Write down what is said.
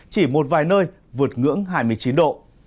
chỉ một vài nơi vượt ngưỡng hai mươi chín độ